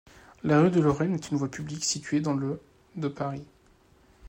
La rue de Lorraine est une voie publique située dans le de Paris.